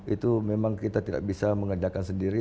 itu memang kita tidak bisa mengadakan sendiri